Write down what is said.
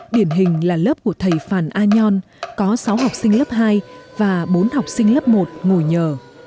điển hình là lớp của thầy phàn a nhon có sáu học sinh lớp hai và bốn học sinh lớp một ngồi nhờ